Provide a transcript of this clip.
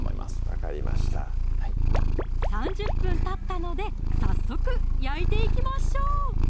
分かりました３０分たったので早速焼いていきましょう！